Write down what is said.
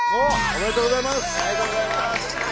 ありがとうございます。